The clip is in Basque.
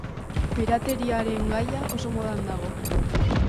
Pirateriaren gaia oso modan dago.